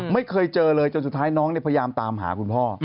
ไม่เคยเจอเลยจนสุดท้ายน้องพยายามตามหาคุณพ่อ